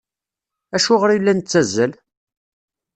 Acuɣer i la nettazzal?